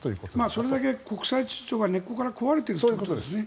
それだけ国際秩序が根っこから壊れているということですね。